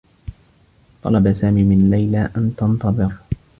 طلب سامي من ليلى أن تنتظر.